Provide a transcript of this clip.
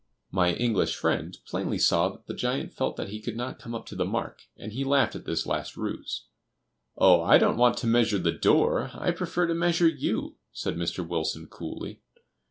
My English friend plainly saw that the giant felt that he could not come up to the mark, and he laughed at this last ruse. "Oh, I don't want to measure the door; I prefer to measure you," said Mr. Wilson, coolly.